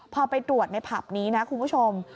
พอไปตรวจในผับนี้นะคุณผู้ชม